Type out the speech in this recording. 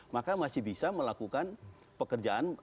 maka masih bisa melakukan pekerjaan